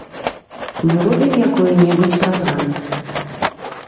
Мы робім якую-небудзь праграму.